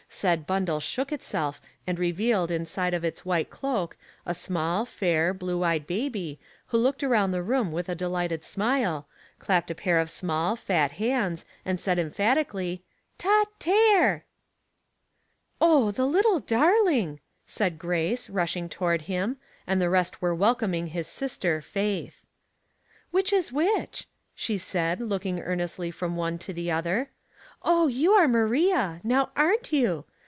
Said bundle shook itself and revealed inside of its white cloak, a small, fair, blue eyed baby, who looked around the room with a delighted smile, clapped a pair of small, fat hands, and said, emphatically, —" Ta, Tare !"" Oh, the little darling I " said Grace, lUshing 200 Household Puzzles, towai'd him, and the rest were welcoming hia sister Faith. " Which is which ?" she said, looking earnest ly from one to the other. " Oh, you are Maria — now arerCt you?